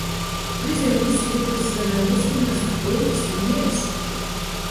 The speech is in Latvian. Drīz vien visi Viduszemē uzzinās, ka pūķis ir miris!